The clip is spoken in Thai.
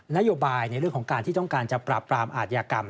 นโยบายในเรื่องของการที่ต้องการจะปราบปรามอาทยากรรม